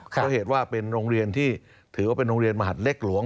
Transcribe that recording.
เพราะเหตุว่าเป็นโรงเรียนที่ถือว่าเป็นโรงเรียนมหัดเล็กหลวง